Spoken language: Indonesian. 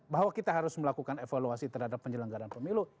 bahwa kita harus melakukan evaluasi terhadap penyelenggaran pemilu